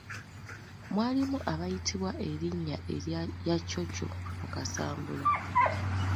Mwalimu abayitibwa erinnya erya yakyokyo mu kasambula.